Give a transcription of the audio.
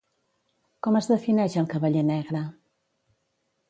Com es defineix el Cavaller negre?